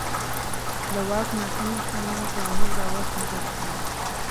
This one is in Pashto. د واک ناسم استعمال ټولنیز باور کمزوری کوي